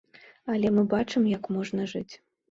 Але мы бачым, як можна жыць.